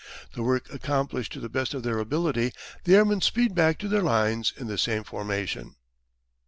The work accomplished to the best of their ability, the airmen speed back to their lines in the same formation.